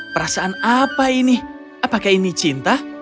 perasaan apa ini apakah ini cinta